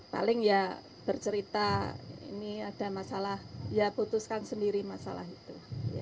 paling ya bercerita ini ada masalah ya putuskan sendiri masalah itu